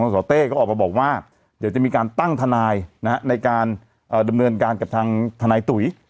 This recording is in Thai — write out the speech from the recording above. โซนไหนที่พี่ชอบไป